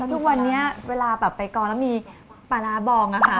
ทุกวันนี้เวลาแบบไปกองแล้วมีปลาร้าบองนะคะ